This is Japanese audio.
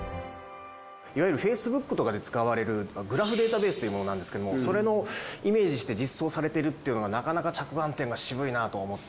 いわゆるＦａｃｅｂｏｏｋとかで使われるグラフデータベースというものなんですけれどもそれをイメージして実装されているっていうのはなかなか着眼点が渋いなと思って。